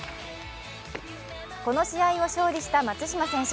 この試合を勝利した松島選手。